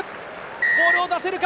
ボールを出せるか？